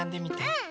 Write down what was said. うん！